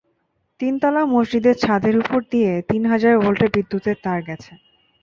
তিনতলা মসজিদের ছাদের ওপর দিয়ে তিন হাজার ভোল্টের বিদ্যুতের তার গেছে।